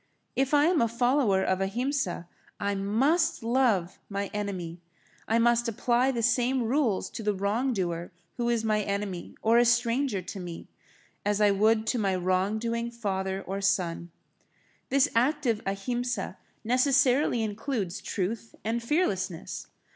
If I am a follower of Ahimsa, I must love my enemy. I must apply the same rules to the wrong doer who is my enemy or a stranger to me, as I would to my wrong doing father or son. This active Ahimsa necessarily includes truth and fearlessness.